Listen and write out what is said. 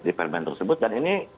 di permen tersebut dan ini